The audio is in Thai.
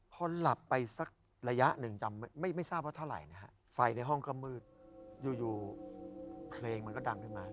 พอหลับไปสักระยะหนึ่งจำไม่ทราบว่าเท่าไหร่นะฮะไฟในห้องก็มืดอยู่เพลงมันก็ดังขึ้นมา